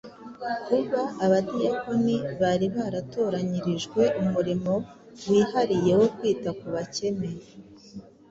Kuba aba badiyakoni bari baratoranyirijwe umurimo wihariye wo kwita ku bakene,